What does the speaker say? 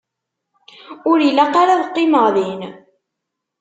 Ur ilaq ara ad qqimeɣ din.